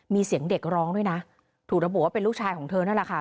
มีเสียงเด็กร้องด้วยนะถูกระบุว่าเป็นลูกชายของเธอนั่นแหละค่ะ